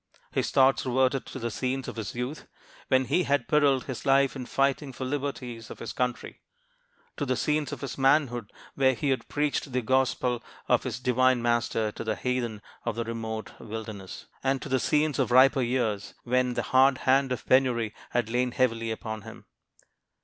His thoughts reverted to the scenes of his youth, when he had periled his life in fighting for the liberties of his country; to the scenes of his manhood, when he had preached the gospel of his divine Master to the heathen of the remote wilderness; and to the scenes of riper years, when the hard hand of penury had lain heavily upon him.